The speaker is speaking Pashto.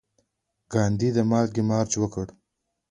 ګاندي د مالګې مارچ وکړ.